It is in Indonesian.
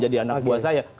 jadi anak buah saya